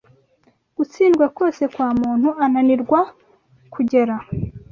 gutsindwa kose kwa muntu ananirwa kugera